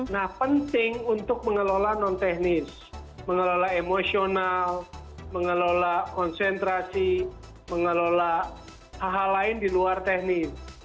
nah penting untuk mengelola non teknis mengelola emosional mengelola konsentrasi mengelola hal hal lain di luar teknis